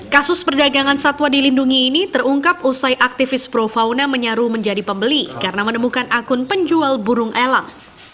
kasus perdagangan satwa dilindungi ini terungkap usai aktivis pro fauna menyaruh menjadi pembeli karena menemukan akun penjual burung elang